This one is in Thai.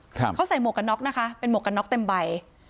ครับเขาใส่หมวกกันน็อกนะคะเป็นหมวกกันน็อกเต็มใบ